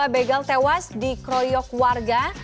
dua begel tewas di kroyok warga